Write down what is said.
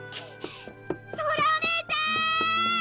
ソラお姉ちゃーん！